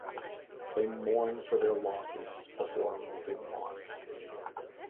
They mourn for their losses before moving on.